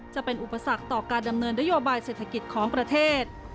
จะเป็นอุปสรรคต่อการดำเนินนโยบายเศรษฐกิจของประเทศ